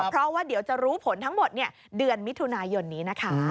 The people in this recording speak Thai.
เพราะว่าเดี๋ยวจะรู้ผลทั้งหมดเดือนมิถุนายนนี้นะคะ